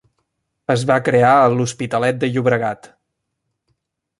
Es va crear a l'Hospitalet de Llobregat.